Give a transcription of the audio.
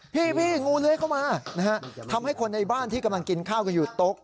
พี่งูเลื้อยเข้ามานะฮะทำให้คนในบ้านที่กำลังกินข้าวกันอยู่โต๊ะ